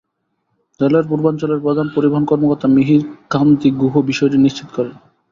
রেলওয়ের পূর্বাঞ্চলের প্রধান পরিবহন কর্মকর্তা মিহির কান্তি গুহ বিষয়টি নিশ্চিত করেন।